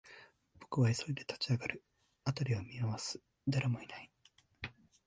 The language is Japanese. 僕は急いで立ち上がる、辺りを見回す、誰もいない